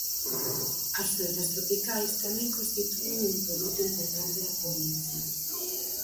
As froitas tropicais tamén constitúen un produto importante da provincia.